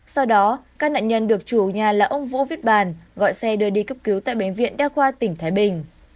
sau đó các nạn nhân được chủ nhà là ông vũ viết bàn gọi xe đưa đi cấp cứu tại bệnh viện đa khoa tỉnh thái bình